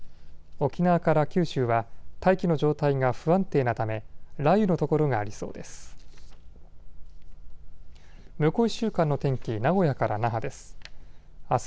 沖縄から九州は大気の状態が不安定なため雷雨の所がありそうです。